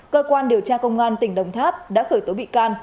cơ quan điều tra công an tỉnh đồng tháp đã khởi tố bị can